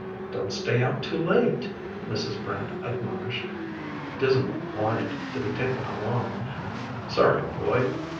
"Don't stay out too late," Mrs. Brant admonished. Dismal whined to be taken along. "Sorry, boy."